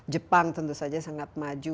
jepang tentu saja sangat maju